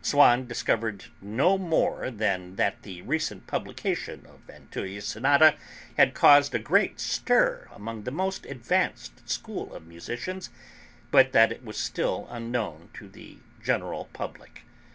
Swann discovered no more than that the recent publication of Vinteuil's sonata had caused a great stir among the most advanced school of musicians, but that it was still unknown to the general public.